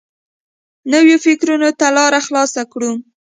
نویو فکرونو ته لاره خلاصه کړو.